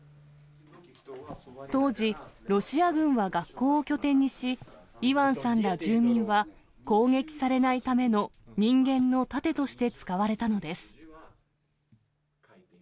当時、ロシア軍は学校を拠点にし、イワンさんら住民は、攻撃されないための人間の盾として使われたのです。